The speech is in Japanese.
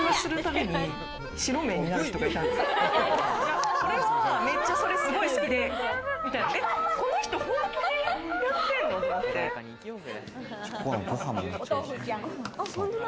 めっちゃそれすごい好きで！みたいな。